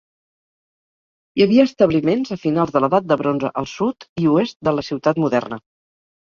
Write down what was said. Hi havia establiments a finals de l'Edat de bronze al sud i oest de la ciutat moderna.